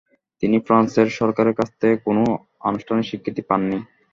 তিনি ফ্রান্সের সরকারের কাছ থেকে কোন আনুষ্ঠানিক স্বীকৃতি পাননি।